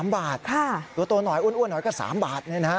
๓บาทตัวหน่อยอ้วนหน่อยก็๓บาท